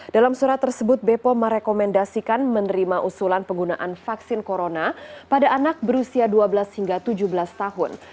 dalam surat tersebut bepom merekomendasikan menerima usulan penggunaan vaksin corona pada anak berusia dua belas hingga tujuh belas tahun